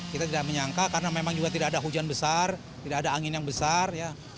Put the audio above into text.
kita tidak menyangka karena memang juga tidak ada hujan besar tidak ada angin yang besar ya